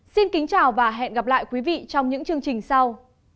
xin kính chào và hẹn gặp lại quý vị trong những chương trình sau